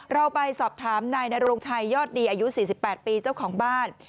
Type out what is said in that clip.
เราไปสอบถามนายนโรงชัยยอดดีอายุ๔๘ปีเจ้าของบ้าน